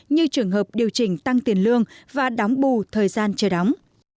như trường hợp điều chỉnh tăng tiền lương và đóng bù thời gian chờ đóng